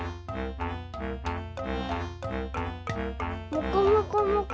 もこもこもこ。